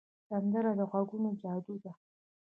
سندره د غږونو جادو ده